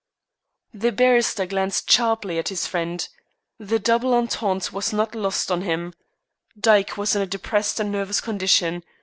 The barrister glanced sharply at his friend. The double entente was not lost on him. Dyke was in a depressed and nervous condition.